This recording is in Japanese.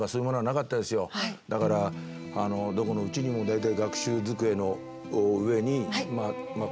だからどこのうちにも大体学習机の上にまあ